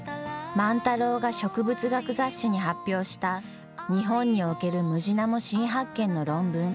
万太郎が植物学雑誌に発表した日本におけるムジナモ新発見の論文。